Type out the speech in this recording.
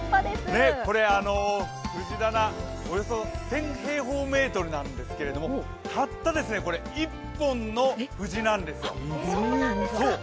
これ、藤棚、およそ１０００平方メートルなんですけれどもこれ、たった１本の藤なんですよ。